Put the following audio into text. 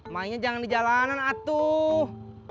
mainnya jangan di jalanan atuh